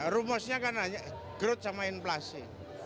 rumusnya kan hanya growth sama inflasi